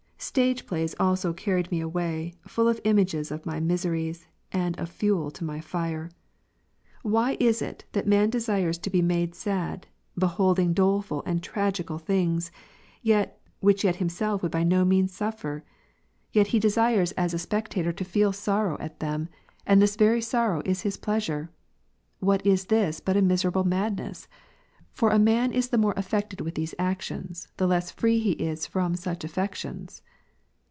Stage plays also carried me away, full of images of my miseries, and of fuel to my fire. Why is it, that man desires to be made sad, beholding doleful and tragical things, which yet himself would by no means suffer ? yet he desires 30 Difference between false and real sympathy ; CONF. as a spectator to feel sorrow at them, and this very soi'row ^*"• is his pleasure. What is this but a miserable madness? for a . man is the more affected with these actions, the less free he is from such affections.